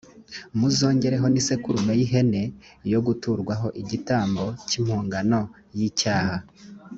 muzongereho n’isekurume y’ihene yo guturwaho igitambo cy’impongano y’icyaha.